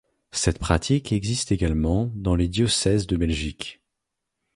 Cette pratique existe également dans les diocèses de Belgique.